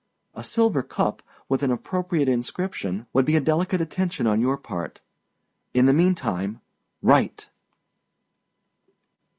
A silver cup, with an appropriate inscription, would be a delicate attention on your part. In the mean time, write!